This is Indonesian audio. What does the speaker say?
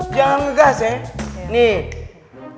jangan ngegas ya